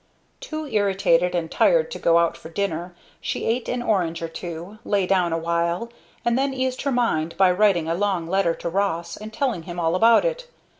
Too irritated and tired to go out for dinner, she ate an orange or two, lay down awhile, and then eased her mind by writing a long letter to Ross and telling him all about it.